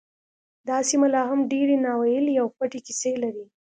دا سیمه لا هم ډیرې ناوییلې او پټې کیسې لري